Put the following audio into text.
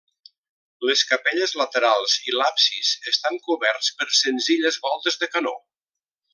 Les capelles laterals i l'absis estan coberts per senzilles voltes de canó.